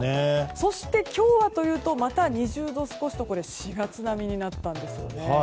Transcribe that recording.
そして、今日はというとまた２０度少しということで４月並みになったんですね。